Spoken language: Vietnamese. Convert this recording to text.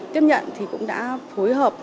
tiếp nhận thì cũng đã phối hợp